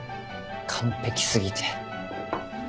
完璧過ぎて。